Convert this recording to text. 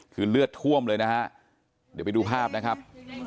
คือเลือดท่วมเลยนะฮะเดี๋ยวไปดูภาพนะครับ